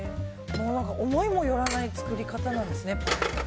思いもよらない作り方なんですね。